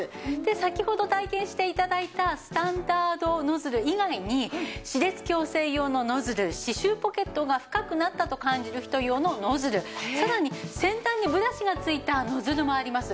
先ほど体験して頂いたスタンダードノズル以外に歯列矯正用のノズル歯周ポケットが深くなったと感じる人用のノズルさらに先端にブラシがついたノズルもあります。